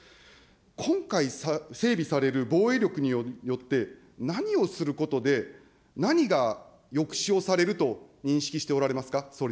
今回、整備される防衛力によって、何をすることで、何が抑止をされると認識しておられますか。